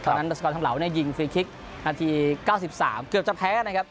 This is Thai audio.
ตอนนั้นรัฐกรรมทั้งเหล่ายิงฟรีคิกนาที๙๓เกือบจะแพ้นะครับ